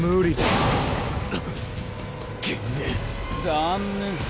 残念。